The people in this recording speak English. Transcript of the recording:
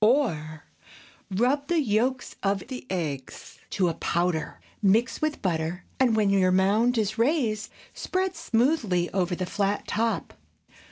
Or, Rub the yolks of the eggs to a powder; mix with butter, and when your mound is raised, spread smoothly over the flat top.